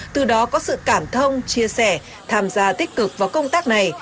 từ đó có sự cảm thông chia sẻ tham gia tích cực vào công tác này